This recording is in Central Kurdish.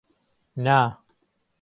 نا.